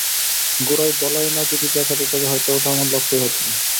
গোড়ায় বলাই না যদি দেখাত তবে হয়তো ওটা আমার লক্ষ্যই হত না।